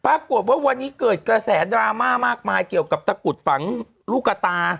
ปรากฏว่าวันนี้เกิดกระแสดราม่ามากมายเกี่ยวกับตะกุดฝังลูกกระตา